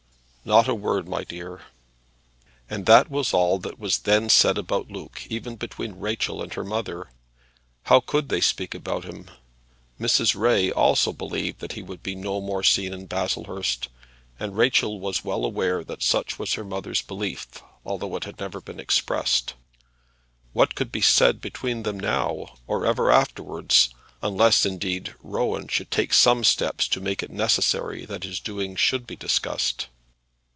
"Not a word, my dear." And that was all that was then said about Luke even between Rachel and her mother. How could they speak about him? Mrs. Ray also believed that he would be no more seen in Baslehurst; and Rachel was well aware that such was her mother's belief, although it had never been expressed. What could be said between them now, or ever afterwards, unless, indeed, Rowan should take some steps to make it necessary that his doings should be discussed?